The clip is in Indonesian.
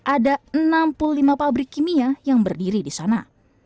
ada enam puluh lima pabrik kimia yang berdiri di sana